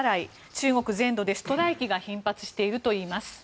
中国全土でストライキが頻発しているといいます。